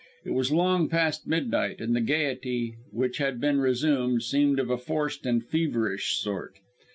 It was long past midnight, and the gaiety, which had been resumed, seemed of a forced and feverish sort.